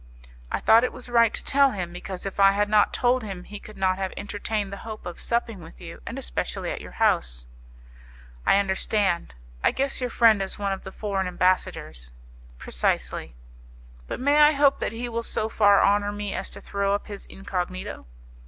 "I thought it was right to tell him, because if I had not told him he could not have entertained the hope of supping with you, and especially at your house." "I understand. I guess your friend is one of the foreign ambassadors." "Precisely." "But may I hope that he will so far honour me as to throw up his incognito?"